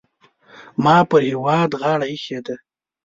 ما پر هېواد غاړه اېښې ده.